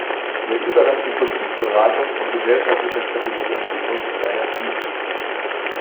Der Übergang zu Politikberatung und gesellschaftlicher Strategieentwicklung ist daher fließend.